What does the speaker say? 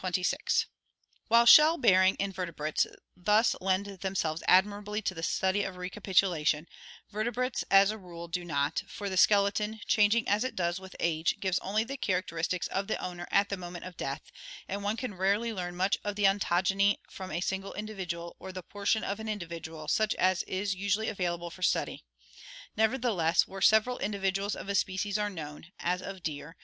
RECAPITULATION, RACIAL OLD AGE 219 While shell bearing invertebrates thus lend themselves admirably to the study of recapitulation, vertebrates as a rule do not, for the skeleton, changing as it does with age, gives only the characteristics of the owner at the moment of death, and one can rarely learn much of the ontogeny from a single individual or the portion of an individual such as is usually available for study. Nevertheless where several individuals of a species are known, as of deer (see Fig.